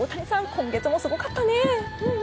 今月もすごかったね。